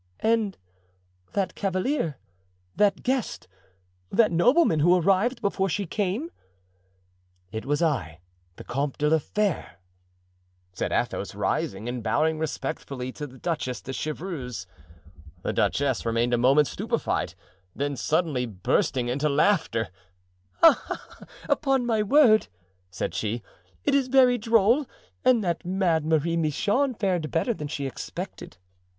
"And that cavalier, that guest, that nobleman who arrived before she came?" "It was I, the Comte de la Fere," said Athos, rising and bowing respectfully to the Duchess de Chevreuse. The duchess remained a moment stupefied; then, suddenly bursting into laughter: "Ah! upon my word," said she, "it is very droll, and that mad Marie Michon fared better than she expected.